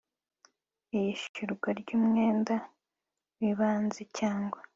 Iyishyurwa ry umwenda w ibanze cyangwa